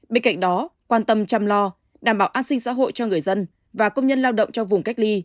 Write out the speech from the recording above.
bên cạnh đó quan tâm chăm lo đảm bảo an sinh xã hội cho người dân và công nhân lao động trong vùng cách ly